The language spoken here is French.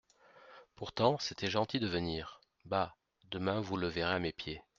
Pourtant, c'était gentil de venir … Bah ! demain vous le verrez à mes pieds.